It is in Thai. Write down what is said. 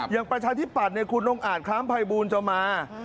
อย่างประชาธิปรัฐคุณลงอาจคล้ามภัยบูรณ์จะมา